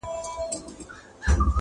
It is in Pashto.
د ساندو له کوګله زمزمې دي چي راځي٫